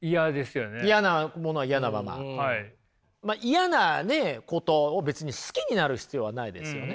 嫌なねことを別に好きになる必要はないですよね。